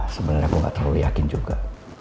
sebenernya aku gak terlalu yakin juga